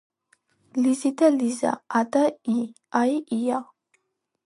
ლიზი და ლიზა ა და ი აი ია